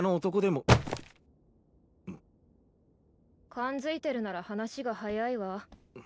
勘づいてるなら話が早いわ。